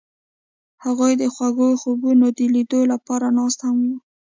هغوی د خوږ خوبونو د لیدلو لپاره ناست هم وو.